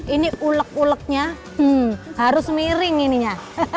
ini ulek uleknya harus miring ini ya